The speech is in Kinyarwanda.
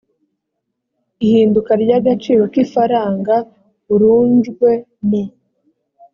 ihinduka ry agaciro k ifaranga r unjwe mu